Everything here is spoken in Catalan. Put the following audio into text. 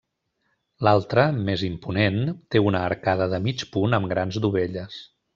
L’altra, més imponent, té una arcada de mig punt amb grans dovelles.